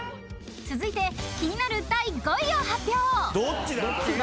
［続いて気になる第５位を発表］